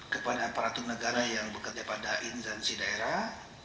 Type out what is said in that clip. kepada aparatur negara yang bekerja pada instansi daerah